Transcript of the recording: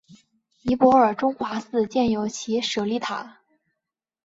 尼泊尔中华寺建有其舍利塔。